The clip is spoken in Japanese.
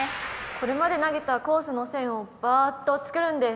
これまで投げたコースの線をバーッと作るんです。